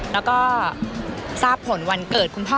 แล้วก็ทราบผลวันเกิดคุณพ่อ